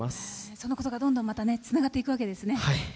そのことがどんどんつながっていくわけですね。